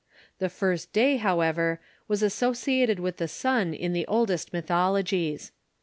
The first day, however, was associated with the sun in the oldest mythologies.